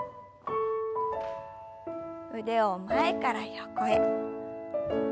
腕を前から横へ。